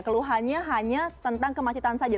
keluhannya hanya tentang kemacetan saja